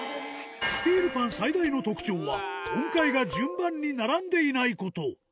スティールパン最大の特徴は、音階が順番に並んでいないこと。